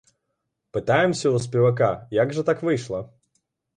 Пытаемся ў спевака, як жа так выйшла?